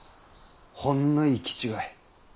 ほんの行き違い。